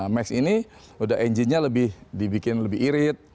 max ini udah ng nya dibikin lebih irit